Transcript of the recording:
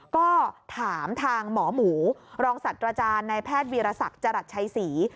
ก็ถามทางหมอหมูรองศัตรรจานในแพทย์วิราษัทจรรหัสชัยศรี